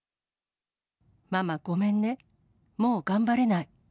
ママごめんね、もう頑張れない。